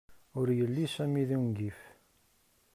Ur yelli Sami d ungif.